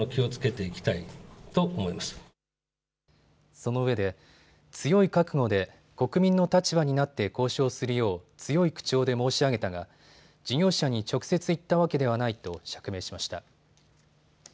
そのうえで強い覚悟で国民の立場になって交渉するよう強い口調で申し上げたが事業者に直接言ったわけではないと釈明しました。